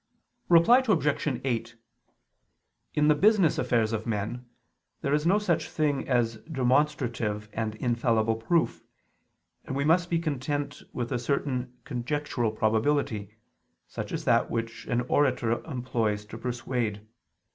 Reply Obj. 8: In the business affairs of men, there is no such thing as demonstrative and infallible proof, and we must be content with a certain conjectural probability, such as that which an orator employs to persuade.